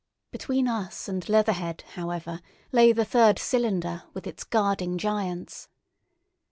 Between us and Leatherhead, however, lay the third cylinder, with its guarding giants.